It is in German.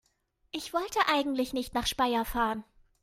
Ich wollte eigentlich nicht nach Speyer fahren